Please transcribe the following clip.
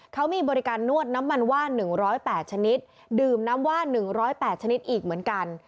เขามีบริการนวดน้ำมันว่าน๑๐๘ชนิดดื่มน้ำว่าน๑๐๘ชนิดอีกเหมือนกัน